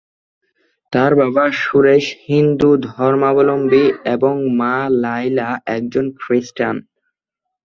তাঁর বাবা সুরেশ হিন্দু ধর্মাবলম্বী এবং মা লায়লা একজন খ্রিস্টান।